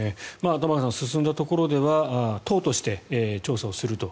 玉川さん進んだところでは党として調査をすると。